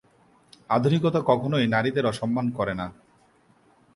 আধুনিকতা কখনই নারীদের অসম্মান করে না।